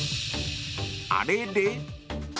あれれ？